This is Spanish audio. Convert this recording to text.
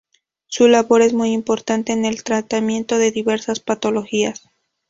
Su labor es muy importante en el tratamiento de diversas patologías.